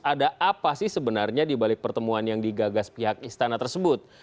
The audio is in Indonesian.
ada apa sih sebenarnya dibalik pertemuan yang digagas pihak istana tersebut